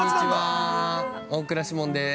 大倉士門です。